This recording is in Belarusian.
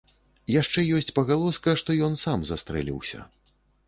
Яшчэ ёсць пагалоска, што ён сам застрэліўся.